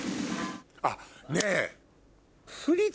あっねぇ！